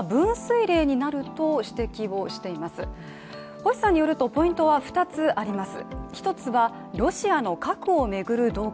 星さんによると、ポイントは２つあります。